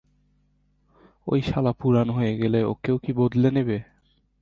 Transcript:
ওই শালা পুরান হয় গেলে, ওকেও কি বদলে নেবে?